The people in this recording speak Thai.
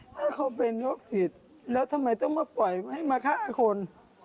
ถ้าเขาเป็นโรคจิตแล้วทำไมต้องมาปล่อยให้มาฆ่าคน